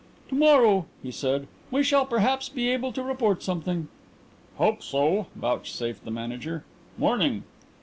"To morrow," he said, "we shall perhaps be able to report something." "Hope so," vouchsafed the Manager. "'Morning."